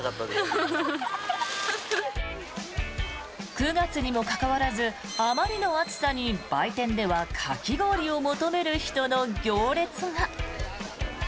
９月にもかかわらずあまりの暑さに、売店ではかき氷を求める人の行列が。